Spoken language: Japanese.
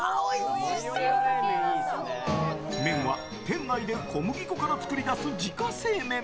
麺は店内で小麦粉から作り出す自家製麺。